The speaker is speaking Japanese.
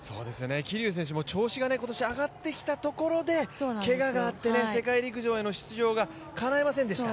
桐生選手も、今年調子が上がってきたところでけががあって、世界陸上への出場がかないませんでした。